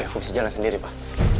aku bisa jalan sendiri pak